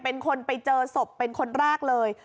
เป็นคนไปเจอศพเป็นคนแรกเลย